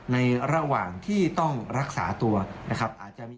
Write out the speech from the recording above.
ในระหว่างที่ต้องรักษาตัวนะครับ